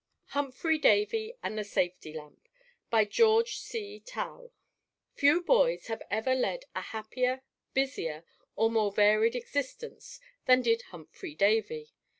HUMPHRY DAVY AND THE SAFETY LAMP By George C. Towle Few boys have ever led a happier, busier, or more varied existence than did Humphry Davy.